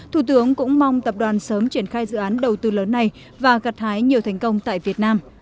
thủ tướng cũng mong tập đoàn sớm triển khai dự án đầu tư lớn này và gặt hái nhiều thành công tại việt nam